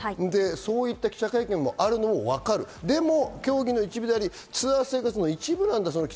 そういった記者会見があるのもわかる、でも競技の一部でありツアー生活の一部なんだ。